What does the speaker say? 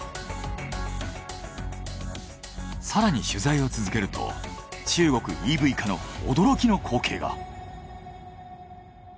更に取材を続けると中国ＥＶ化の驚きの光景が。